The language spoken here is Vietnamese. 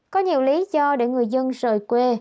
có nhiều lý do để người dân rời quê